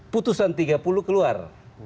putusan tiga puluh keluar